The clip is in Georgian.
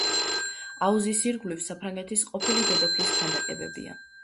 აუზის ირგვლივ საფრანგეთის ყოფილი დედოფლების ქანდაკებებია.